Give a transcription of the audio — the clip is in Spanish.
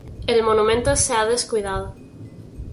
El monumento se ha descuidado.